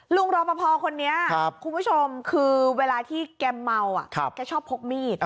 รอปภคนนี้คุณผู้ชมคือเวลาที่แกเมาแกชอบพกมีด